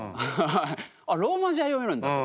あっローマ字は読めるんだと。